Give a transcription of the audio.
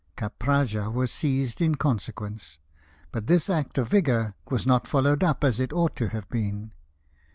Capraja was seized in consequence; but this act of vigour was not followed up as it ought to have been.